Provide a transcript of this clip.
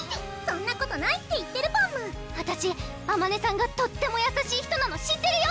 「そんなことない」って言ってるパムあたしあまねさんがとってもやさしい人なの知ってるよ！